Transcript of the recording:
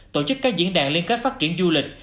tổ chức các diễn đàn liên kết phát triển du lịch